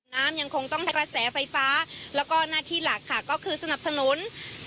น้ำยังคงต้องทักกระแสไฟฟ้าแล้วก็หน้าที่หลักค่ะก็คือสนับสนุน